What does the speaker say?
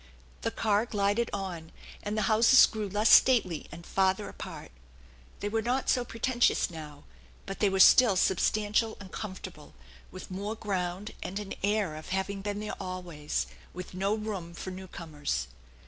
The car glided on, and the houses grew less stately and farther apart. They were not so pretentious now, but they were still substantial and comfortable, with more ground and an air of having been there always, with no room for new comers.